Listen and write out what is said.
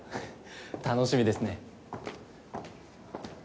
楽しみですね。